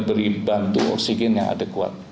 beri bantu oksigen yang adekuat